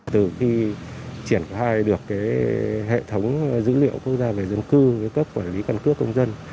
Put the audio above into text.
từ khi triển khai được hệ thống dữ liệu quốc gia về dân cư cấp quản lý căn cước công dân